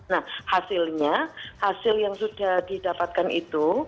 nah hasilnya hasil yang sudah didapatkan itu